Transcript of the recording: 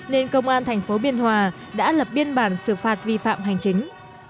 nên công an tp bnh đã lập biên bản xử phạt vi phạm hành chính